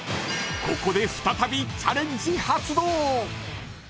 ［ここで再びチャレンジ発動］